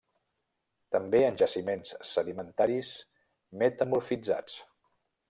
També en jaciments sedimentaris metamorfitzats.